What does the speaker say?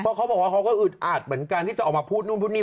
เพราะเขาบอกว่าเขาก็อึดอัดเหมือนกันที่จะออกมาพูดนู่นพูดนี่